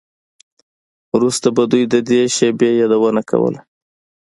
وروسته به دوی د دې شیبې یادونه کوله